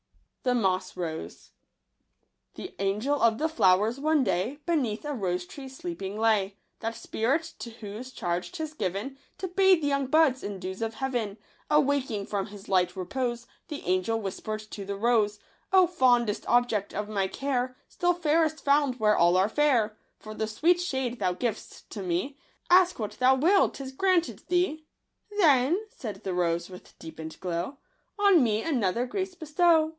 84 ®jj * JOTogss i&oge. FROM SHE GERMAN OF KRUMMACHER. The Angel of the flowers, one day, Beneath a rose tree sleeping lay ;— That spirit to whose charge 'tis given To bathe young buds in dews of heaven. Awaking from his light repose, The Angel whisper'd to the rose —" O fondest object of my care ! Still fairest found where all are fair ; For the sweet shade thou giv'st to me. Ask what thou wilt, 'tis granted thee !"*" Then," said the rose, with deepen'd glow, 49 On me another grace bestow."